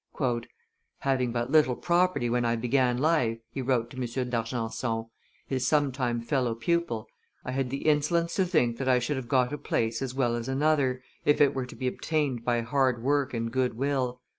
"Having but little property when I began life," he wrote to M. d'Argenson, his sometime fellow pupil, "I had the insolence to think that I should have got a place as well as another, if it were to be obtained by hard work and good will.